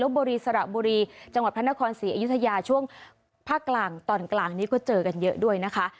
บุรีสระบุรีจังหวัดพระนครศรีอยุธยาช่วงภาคกลางตอนกลางนี้ก็เจอกันเยอะด้วยนะคะ